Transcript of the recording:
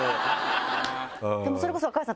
でもそれこそ若林さん